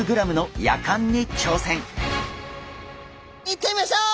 いってみましょう！